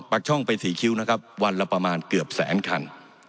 ปากช่องไปสี่คิ้วนะครับวันละประมาณเกือบแสนคัน